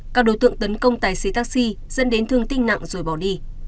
các đối tượng tấn công tài xế taxi dẫn đến thương tích nặng rồi bỏ đi